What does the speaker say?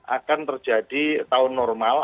akan terjadi tahun normal